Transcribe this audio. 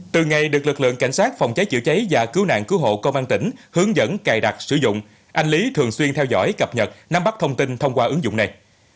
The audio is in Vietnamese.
từ ngày được lực lượng cảnh sát phòng cháy chữa cháy và cứu nạn cứu hộ công an tỉnh hướng dẫn cài đặt sử dụng anh lý thường xuyên theo dõi cập nhật nắm bắt thông tin thông qua ứng dụng này